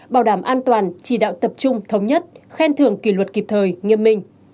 bảo đảm an toàn chỉ đạo tập trung thống nhất khen thưởng kỷ luật kịp thời nghiêm minh